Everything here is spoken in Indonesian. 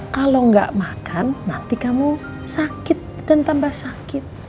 kalau nggak makan nanti kamu sakit dan tambah sakit